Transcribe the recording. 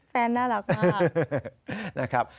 แฟนน่ารักมาก